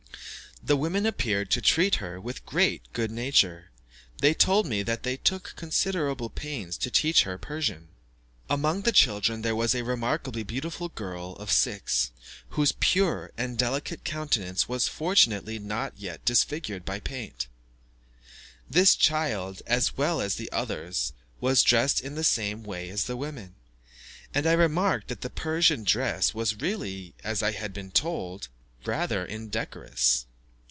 The women appeared to treat her with great good nature; they told me that they took considerable pains to teach her Persian. Among the children there was a remarkably beautiful girl of six, whose pure and delicate countenance was fortunately not yet disfigured by paint. This child, as well as the others, was dressed in the same way as the women; and I remarked that the Persian dress was really, as I had been told, rather indecorous.